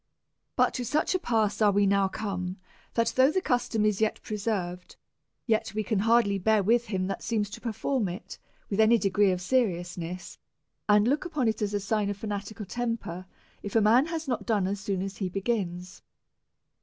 But to such a pass are we now come^ that though the custom is yet preserved, yet we can hardly bear with him that seems to perform it with any degree of seriousness^ and look upon it as a sign of fanatical tem per, if a man has not finished as soon as he begins.